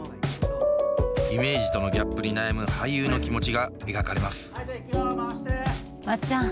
イメージとのギャップに悩む俳優の気持ちが描かれますまっちゃん。